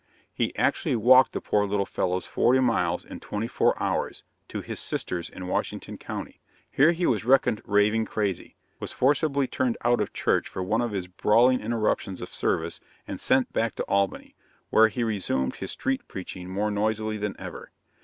He actually walked the poor little fellows forty miles in twenty four hours, to his sister's in Washington county. Here he was reckoned raving crazy; was forcibly turned out of church for one of his brawling interruptions of service, and sent back to Albany, where he resumed his street preaching more noisily than ever.